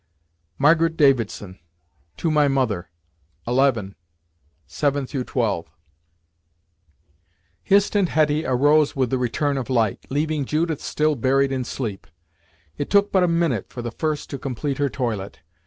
Margaret Davidson, "To my Mother," 11. 7 12. Hist and Hetty arose with the return of light, leaving Judith still buried in sleep. It took but a minute for the first to complete her toilet.